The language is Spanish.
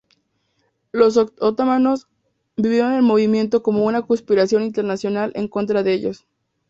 Los otomanos vieron el movimiento como una conspiración internacional en contra de ellos.